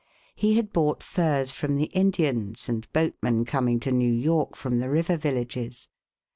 He had bought furs from the Indians and boatmen coming to New York from the river villages.